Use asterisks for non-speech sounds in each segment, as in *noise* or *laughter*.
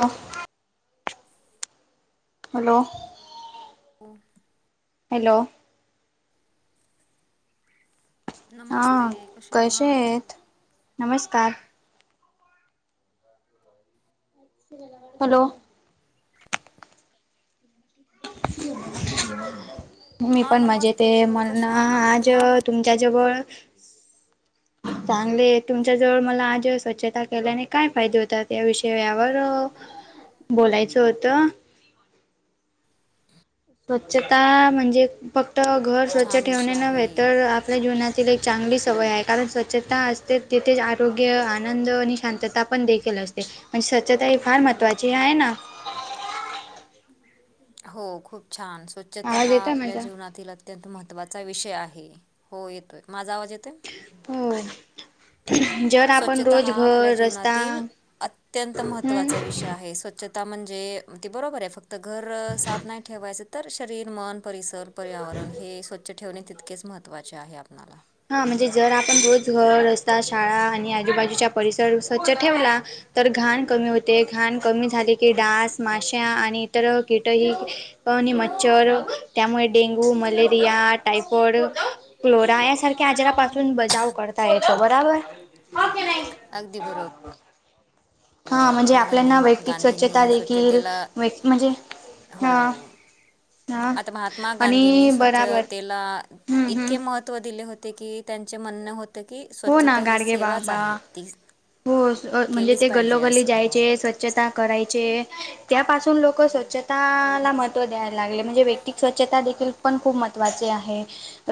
ह. *inaudible* हॅलो. हो. हॅलो. हा नमस्ते कसे आहात? आहेत? नमस्कार! हॅलो. *inaudible* मी हा पण मजेत नमस्ते आहे मी म्हणून कसे आहात? आज तुमच्याजवळ चांगले तुमच्या जवळ मला आज स्वच्छता केल्याने काय फायदे होतात या विषया यावर बोलायचं होतं. स्वच्छता म्हणजे फक्त घर स्वच्छ छान विषय ठेवणे नव्हे आहे. तर आपल्या जीवनात एक चांगली सवय आहे, कारण स्वच्छता असते तिथेच आरोग्य, आनंद आणि शांतता पण देखील असते. ते म्हणजे स्वच्छता ही फार महत्त्वाची आहे ना. हो खूप छान स्वच्छता आवाज हा येतोय आपल्या माझा जीवनातील अत्यंत महत्त्वाचा विषय आहे, हो येतोय. माझा आवाज येतोय? होय. स्वच्छता हा आपल्या जीवनातील अत्यंत हम्म महत्त्वाचा विषय आहे स्वच्छता म्हणजे ती बरोबर आहे फक्त घर साफ नाही ठेवायचं तर शरीर, मन, परिसर पर्यावरण हे स्वच्छ ठेवणे तितकेच महत्त्वाचे आहे आपल्याला हा म्हणजे जर आपण रोज घर, रस्ता, शाळा आणि आजूबाजूच्या परिसर स्वच्छ ठेवला तर घाण कमी होत ते घाण कमी झाले की डास, माशा आणि इतर कीटही पणी मच्छर त्यामुळे डेंगू, मलेरिया, टायफॉइड क्लोरा यासारख्या आजारापासून बचाव करता येतो बरोबर. अगदी बरोब र हा म्हणजे म्मा गांधी आपल्याना वैयक्तिक स्वच्छता गांधींनी देखील स्वच्छतेला वै म्हणजे हो. हा हा आता महात्मा गांधींनी आणि बराबर स्वच्छतेला हम्म हम्म इतके महत्. व दिले होते की त्यांचे म्हण हो. हो ना गाडगे बागबा ती हो म्हणजे केलीच ते पाहिजे गल्लोगल्ली असं हो जायचे. स्वचछता करायचे त्यापासून लोक स्वचछताला म द्यायला लागले म्हणजे व्यक्तिक स्वच्छता देखील पण खूप महत्वाचे आहे.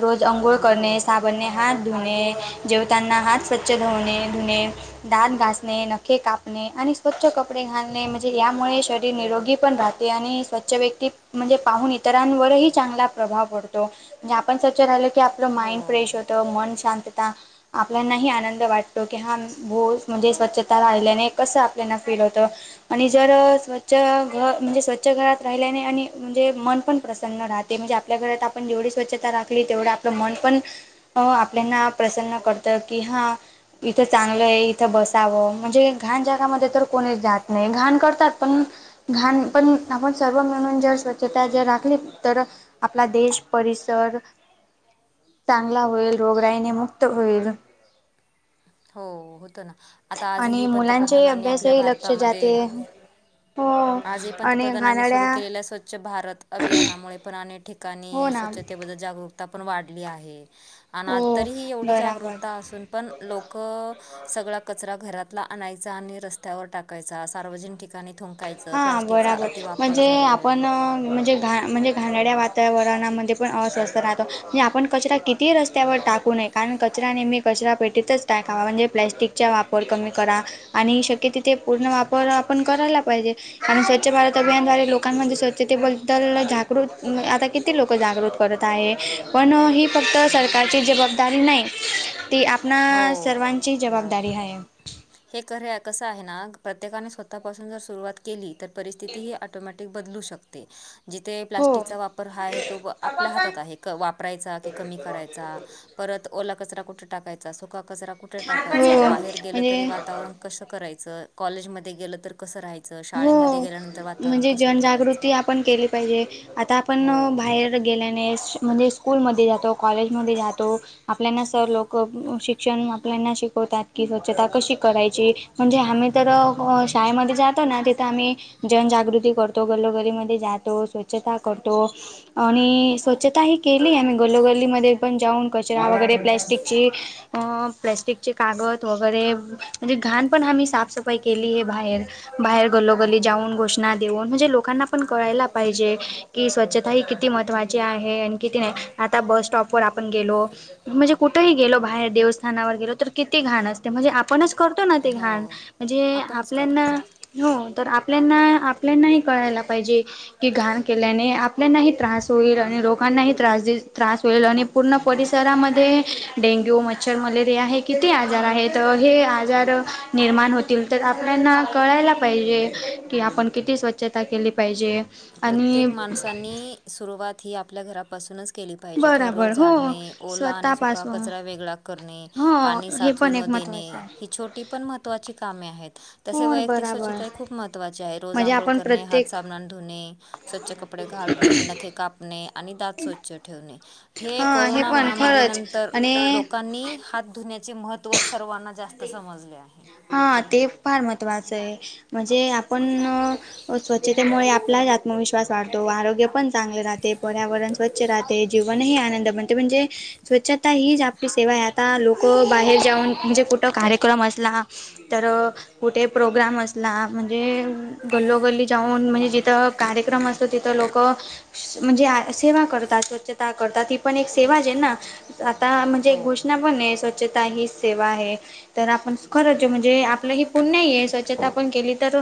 रोज अंघोळ हो करणे साबणने हात धुणे जेवताांना हात स्वच्छ धुवणे धुणे. दात घासणे नखे कापणे आणि स्वच्छ कपडे घालणे म्हणजे यामुळे शरीर निरोगी पण राह आणि स्वच्छ व्यक्ती म्हणजे पाहून इतरांवरही चांगला प्रभाव पडतो. म्हणजे आपण स्व्छ राहिल की आपलं माइंड फ्रेश हो होतं मन शांतता. आपल्यानाही आनंद वाटतो की हा भो म्हणजे स्वच्छता राहिल्याने कसं आपल्याना फील होतं. आणि जर स्वच्छ घ म्हणजे स्वच्छ घरात राहिल्याने आणि म्हणजे मन पण. प्रसन राहते म्हणजेल्या घरात. ण जेवढी स्वच्छता राखली तेवढं आपलं मन पण आपल्याना प्रसन्न करत. की हा इथ चांगल आहे इथ बसावं म्हणजे घण जगामध्ये तर. कोणी जात नाही घाण करतात. पण घाण पण आपण सर्व मिणून जर स्वच्छता जर राखली तर. आपला देश परिसर चांगला होईल रोगराईने मुक्त होईल. हो होत ना आता आणि आजही मुलांच्याही पंतप्रधानांनी आपल्या अभ्यासही लक्ष भारतामध्ये. जाते. हो आजही आणि पंतप्रधानांनी सुरू घाणेरड्या केलेल्या स्वच्छ भारत अभियानामुळे पण अनेक ठिका हो ठिका ना स्वच्छतेबद्दल जागरूकता पण वाढली आहे. आणि आज हो तरीहीी एवढी बराबर जागरूकता असून पण. लोक सगळा कचरा घरातला आणायचा आणि रस्त्यावर टाकायचा सार्वजनिक ठिकाणी.. थुंकायचं हा प्लास्टिकचा बराबर अतिवापर म्हणजे झालो आहे आपण म्हणजे घा म्हणजे घाणाळ्या वातावरणामध्ये पण अस्वस्थ राहतो म्हणजे आपण कचरा किती रस्त्यावर टाकू नये. कारण कचरा नेहमी कचरा पेटीतच टय खावा म्हणजे प्लॅस्टिकचा वापर कमी करा. आणि शक्य तिथ ते पूर्ण वापर आपण करायला पाहिजे कारण स्वच्छ भारत हो अभियानद्वारे लोक. दकान म्हणजे स्वच्छतेबद्दल जागृत आता किती लोक जागृत करत आहे. पण ही फक्त सरकारची जबाबदारी नाही. ती आपणा हो सर्वांची जबाबदारी बरोबर आहे. हे खे कसं आहे ना प्रत्येकाने स्वतःपासून जर सुरुवात केली तर परिस्थितीही ऑटोमॅटिक. ते बदलू शकते. जिथे हो प्लास्टिकचा वापर हा आहे तो आपल्या हातात आहे क वापरायचा की कमी करायचा. परत ओला कचरा कुठे टाकायचा सुका कचरा कुठे टाकायचा हो बाहेर गेलं तरी म्हणजे वातावरण. कस करायच कॉलेजमध्ये गे तर. कसं राहायचं, हो शाळेमध्ये गेल्यानंतर वातावरण म्हणजे कसं जनजागृती ठेवायचं. आपण केली पाहिजे आता आपण हो, बाहेर. गेल्याने म्हणजे स्कूलमध्ये जातो कॉलेजमध्ये जातो आपल्याना सर लोक शिक. शिक्षण आपल्याना शिकवतात की स्वच्छता कशी करायची म्हणजे आम्ही तर शाळेमध्ये जात.. ो ना तिथं आम्ही जनजागृती करतो गल्लोगरीमध्ये जातो स्वच्छता करतो. आणि स्वच्छता ही केली आम्ही गल्लोगल्लीमध्ये पण जाऊन कचरा वगैरे प्लॅस्टिकची. अ प्लॅस्टिकचे कागद वगैरे म्हणजे घाण पण हम्ही साफसफाई केली हे बाहेर. बाहेर गलोगली हो, जाऊन गोष्ट. देऊन म्हणजे लोकांना पण कळायला पाहिजे कि स्वच्छता ही किती महत्त्वाची आहे आणि किती नाही. आता बस स्टॉप. आपण गेलो म्हणजे कुठेही गेल बाहेर देवस्थानावर गेलो तर किती घाण असते म्हणजे आपणच. करतो ना ते हो घाण म्हणजे आपणच करतो. आपल्याना. हो तर आपल्याना आपल्यानाही कळायला पाहिजे. कि घाण केल्याने आपल्यानाही त्रास होईल आणि लोकांनाही त्रास त्रास होईल आणि. पूर्ण परिसरामध्ये. डेंग्यू मच्छर मलेरिया हे किती आजार आहे तर हे आजार निर्माण होतील. तर आपल्याना कळायला पाहिजे की, आपण किती स्वच्छता केली पाहिजे. आणि प्रत्येक माणसांनी, सुरुवात ही आपल्या घरापासूनच केली पाहिजे, घररोज बराबर हो झाडणे ओला आणि सुका स्वतःपासून कचरा वेगळा करणे, हो पाणी हे साचू पण न एक देणे. महत्त्वाचं आहे ही छोटी पण महत्वाची कामे आहे. तसे हो वैयक्तिक बराबर स्वच्छता खूप महत्वाची आहे रोज म्हणजे आंघोळ आपण करणे, हात प्रत्येक साब धुणे, स्वच्छ कपडे घालणे नखे कापणे आणि दात स्वच्छ ठेवणे, हे हा कोरोना पण खरंच महामारीनंतर आणि लोकांनी हात धुण्याचे महत्व सर्वांना जास्त समजले आहे. हा ते फार महत्त्वाचं आहे, म्हणजे आपण स्वच्छतेमुळे आपला आत्मविश्वास वाढतो, आरोग्य पण चांगले राहते पर्यावरण स्वच्छ राहते, जीवन ही आनंद बनते म्हणजे स्वच्छता हीच आपली सेवा आहे आता लोक बाहेर जाऊन, म्हणजे कुठं कार्यक्रम असला तर कुठे प्रोग्राम असला म्हणजे, गल्लोगल्ली जाऊन म्हणजे जिथं कार्यक्रम असतो तिथं लोक म्हणजे सेवा करतात, स्वच्छता करतात, ती पण एक सेवा जे ना आता म्हणजे एक हो घोषणा पण आहे स्वच्छता ही सेवा आहे तर आपण खरं जो म्हणजे आप आपली हि पुण्याई आहे, स्वच्छता पण केली तर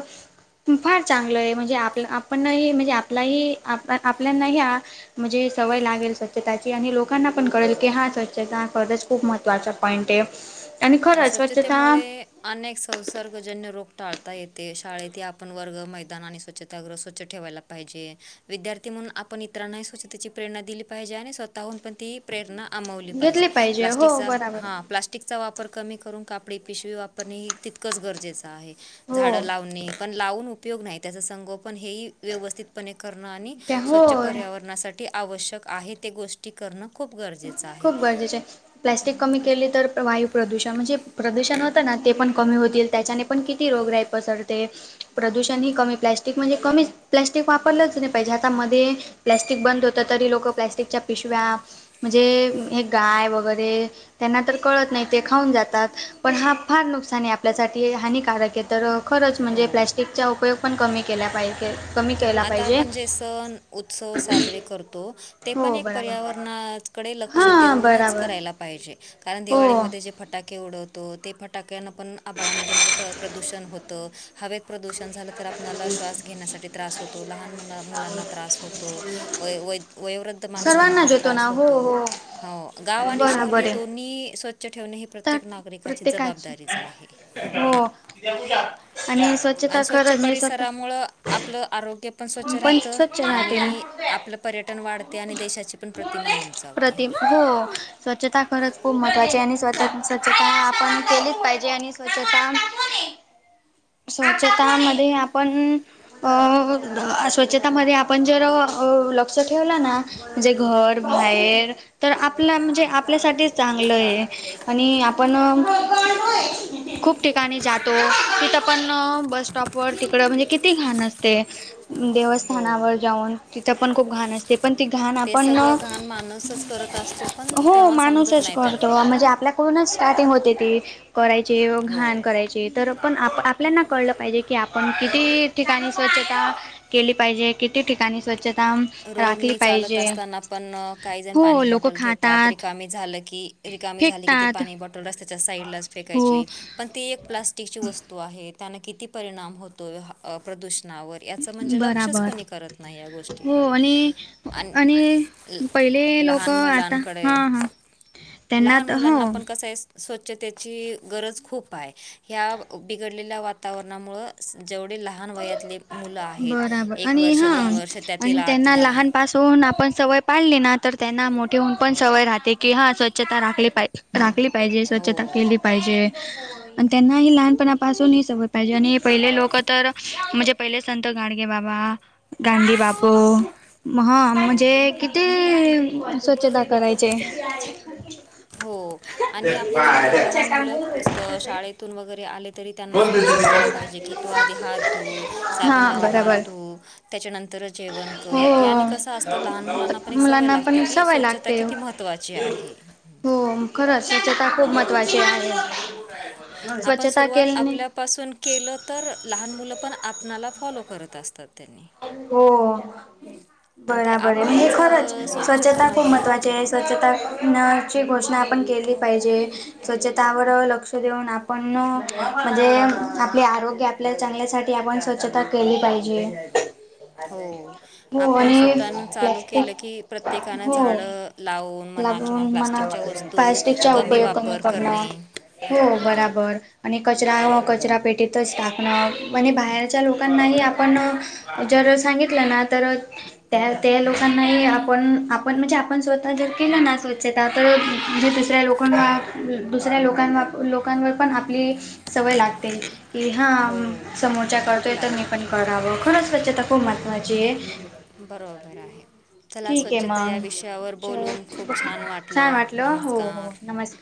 फार चांगलं आहे, म्हणजे आपलं आपणही म्हणजे आपलाही आप आपल्याना ह्या म्हणजे सवय लागेल स्वच्छताची आणि लोकांना पण कळेल की हा स्वच्छता हा खरच खूप महत्त्वाचा पॉइंटे आणि खरंच वाचतं आता *unintelligible* अनेक संसर्गजन्य रोग टाळता येते, शाळेत आपण वर्ग मैदना आणि स्वच्छताग्रह स्वच्छ ठेवायला लागत. पाहिजे, विद्यार्थी म्हणून आपण इतरांना स्वच्तेची प्रेरणा दिली पाहिजे आणि स्वतःहून पण ती प्रेरणा अमावली पाहिजे घेतली हो प्लास्टिकचा बराबर हा, प्लास्टिकचा वापर वापर कमी करून कापडी पिशवी वापरणे ह तितकंच गरजेच आहे हो झाड लावणे, पण लावून उपयोग नाही त्याच संगोपन हे व्यवस्थितपणे करणं आणि त्या हो स्वच्छ पर्यावरणासाठी आवश्यक आहे ते गोष्टी टी करणं खूप गरजेचं आहे. खूप गरजेचे आहे प्लॅस्टिक कमी केली तर, वायू प्रदूषण म्हणजे प्रदूषण होतं ना ते पण कमी होतील त्याच्याने पण किती रोग राही पसरते. प्रदूषण ही कमी, प्लॅस्टिक म्हणजे कमीच, प्लॅस्टिक वापरलंच नाही पाहिजे आता मध्ये प्लॅस्टिक बंद होत तरी, लोक प्लॅस्टिकच्या पिशव्या म्हणजे हे गाय वगैरे त्यांना तर कळत नाही ते खाऊन जातात पण, हा फार नुकसान आहे आपल्यासाठी हानिकारक आहे. तर खरंच, म्हणजे हो प्लॅस्टिकचा उपयोग पण कमी केला पाहिजे. कमी केला आता पाहिजे आपण जे सण उत्सव साजरे करतो. ते पण हो एक बराबर पर्यावरणाकडे लक्ष हा देऊनच बराबर करायला पाहिजे, कारण हो दिवाळीमध्ये जे फटाके उडवतो ते फटाक्याना पण आबाळामध्ये म्हणजे प्रदूषण होतं हव प्रदूषण झालं तर आपल्याला श्वास घेण्यासाठी त्रास होत. लहान मुलांना त्रास होतो व वयोवृद्ध माणसांना सर्वांना पण देतो ना त्रास हो होतो. हो हो, गाव आणि शहर हे बराबर आहे दोन्ही स्वच्छ ठेवणे हे तर प्रत्येक नागरिकाची प्रत्येकाची जबाबदारीच आहे. हो आणि स्व्छ *unintelligible* आणि स्वच्छ परिसरामुळं आपलं आरोग्य ते पण स्वच्छ राहतं स्वच्छ राहतील आणि आपलं पर्यटन वाढते आणि देशाची पण प्रतिमा उनते प्रति हो *unintelligible* स्वच्छता ख करत खूप महत्वाची आहे आणि स्वच्छ स्वच्छता आपण केलीच पाहिजे आणि स्वच्छता *unintelligible* स्वच्छता म आपण *unintelligible* अ स्वच्छतामध्ये आपण जर लक्ष ठेवलं ना? म्हणजे घर बाहेर तर आपला म्हणजे आपल्यासाठीच चांगलं आहे, आणि आपण खूप ठिकाणी जातो तिथं पण बसस्टॉपवर तिकडं म्हणजे किती घाण असते, हो देवस्थानावर जाऊन तिथ पण खूप घाण असते ते पण त घाण ते आपण सगळं घाण माणूसच करत असतो पण हो तेव्हा समजत माणूसच नाही करतो त्यांना म्हणजे आपल्या पूणच स्टार्टिंग होते ती करायचे घाण हो करायचे तर पण आप आपल्याना कळलं पाहिजे की आपण किती ठिकाणी स्वच्छता केली पाहिजे किती ठिकाणी स्वच्छ उचताम रोडनी चालत असताना पण काही जण हो पाणी लोक बॉटल घेतात खातात रिकामी झालं की रिकामी झाली की ते फेकतात पाणी बॉटल रस् त्याच्या साईडलाच हो फेकायची पण ती एक प्लास्टिकची वस्तू आहे त्याना किती परिणाम होतो प्रदूषणावर यात म्हणजे लक्षच बराबर कोणी करत नाही या गोष्टी हो आणि आणि ल- पहिले लोक लहान आता मुलांकडे हां हां तेनात हो स्वच्छते गरज खूप आहे ह बिड वातावरणामुळे जेवढे लहान वयातले मुलं आहेत बराबर एक आणि वर्ष हा दोन वर्ष आणि त्यातील त्यांना आतले लहान पाासहून आपण सवय पाडली ना तर त्यांना मोठेहन पण सवय राहते की हा स्वच्छता राखली पाहिजे राखली पाहिजे हो स्वच्छता केली पाहिजे आणि त्यांनाही लहानपणापासून ह सवय पाहिजे आणि पहिले लोक तर म्हणजे पहिले संत गाडगे बाबा गांधी बापू हा हो म्हणजे क ते स्वच्छता करायचे हो आणि आपण लहान मुल शाळेतून वगैरे आले तरी त्यांना आपण शिकवायला पाहिजे की त आधी हात ध साण हा लाून बरोबर हातध त्याच्यानंतर जेवण कर हो यांनी कस असत लहान मुलांना पण एक सवय मुलांना लागते पण की सवय स्वच्छता किती लागते महत्त्वाची आहे हो खरं स्वच्छता खूप महत्वाची आहे स्वच्छता केल्याने तपासून केलं तर लहान मुलं पण आपणाला फॉलो करत असतात त्यांनी हो आणि ते बराबर आहे म्हणजे आपणच खरच अ, स्वच्छता खूप नाही महत्त्वाची आहे स्वच्छता नची घोषणा आपण केली पाहिजे स्वच्छतावर लक्ष देऊन आपण म्हणजे आपले आरोग्या आप चांगल्यासाठी आपण स्वच्छता केली पाहिजे हो हो आपण आणि स्वतःनं चालू केलं की प्लास्टिक प्रत्येकानं हो झाडं लावून म्हणा किंवा लागून मला प्लास्टिकच्या वस्तू प्लास्टिकचा उपयोग कमी वापर करणार करणे हो बराबर आणि कचरा कचरा पेटीतच टाकणं म्हणजे बाहेरच्या लोकांनाही आपण जर सांगितलं ना तर त्या ते लोकांनाही आपण आपण म्हणजे आपण स्वतः जर केलं ना स्व्छ आ तर जे दुसऱ्या लोकां दुसऱ्या लोकां लोकांवर पण आपली सवय लागते की हा हो समोरच्या खूप करतोय तर मी लागते पण खूप करावं खरंच स्वच्छ तक मात माझे बरोबर आहे चला ठीक आहे स्वच्छता या मग विषयावर च बोलून खूप बघ छान वाटलं हो हो नमस्कार नमस्कार